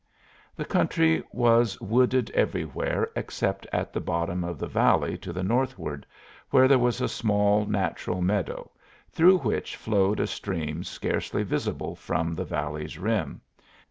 The country was wooded everywhere except at the bottom of the valley to the northward, where there was a small natural meadow, through which flowed a stream scarcely visible from the valley's rim.